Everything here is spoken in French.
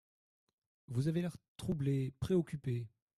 Vous avez l’air troublé, préoccupé.